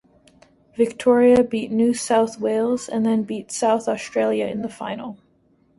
Victoria beat New South Wales and then beat South Australia in the final.